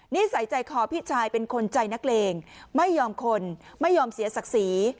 นิสัยใจคอพี่ชายเป็นคนใจนักเลงไม่ยอมคนไม่ยอมเสียศักดิ์ศรี